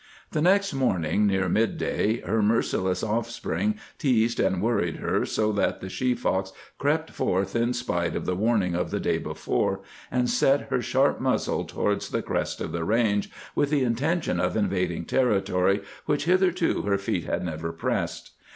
The next morning, near midday, her merciless offsprings teased and worried her so that the she fox crept forth in spite of the warning of the day before, and set her sharp muzzle towards the crest of the range, with the intention of invading territory which hitherto her feet had never pressed.